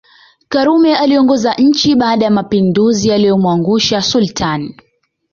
Karume aliongoza nchi baada ya mapinduzi yaliyomwangusha Sultani